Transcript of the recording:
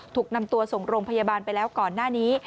ถูกนำตัวส่งโรงพยาบาลไปแล้วก่อนหน้านี้